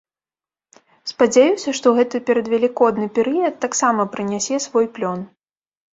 Спадзяюся, што гэты перадвелікодны перыяд таксама прынясе свой плён.